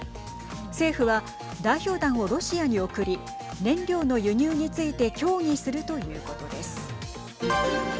政府は、代表団をロシアに送り燃料の輸入について協議するということです。